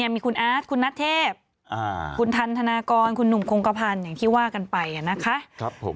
มีคุณอาร์ตคุณนัทเทพคุณทันธนากรคุณหนุ่มคงกระพันธ์อย่างที่ว่ากันไปนะคะ